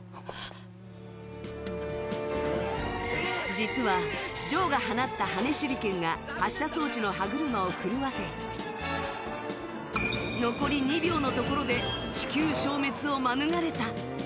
実は、ジョーが放った羽根手裏剣が発射装置の歯車を狂わせ残り２秒のところで地球消滅を免れた。